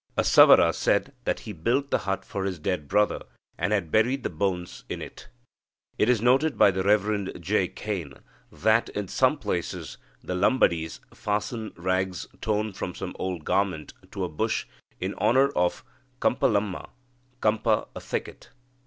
A Savara said that he built the hut for his dead brother, and had buried the bones in it. It is noted by the Rev. J. Cain that, in some places, the Lambadis fasten rags torn from some old garment to a bush in honour of Kampalamma (kampa, a thicket).